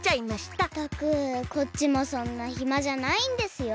ったくこっちもそんなひまじゃないんですよ。